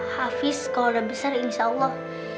hafiz kalau udah besar insya allah